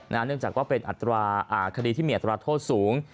เนื่องจากว่าเป็นอัตราคดีที่มีอัตราโทษสูง